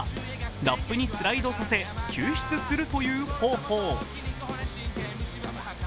ラップにスライドさせ、救出させるという方法。